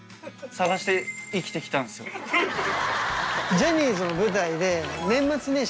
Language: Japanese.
ジャニーズの舞台で年末年始